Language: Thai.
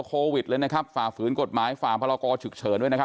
โควิดเลยนะครับฝ่าฝืนกฎหมายฝ่าพรกรฉุกเฉินด้วยนะครับ